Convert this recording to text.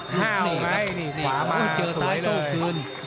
เฮ่าไหมนี่ขวามาสวยเลย